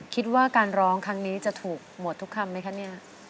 คิดว่าการร้องครั้งนี้จะถูกหมดทุกคำไหมคะเนี่ย